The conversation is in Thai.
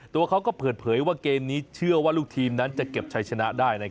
ตัวเขาก็เปิดเผยว่าเกมนี้เชื่อว่าลูกทีมนั้นจะเก็บชัยชนะได้